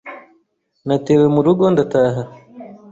Natewe mu rugo ndataha.